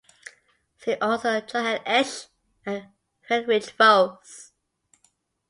See also Johann Esch and Heinrich Voes.